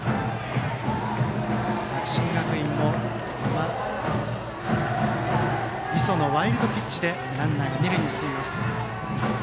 作新学院、磯のワイルドピッチでランナーが二塁へ進みます。